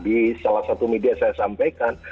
di salah satu media saya sampaikan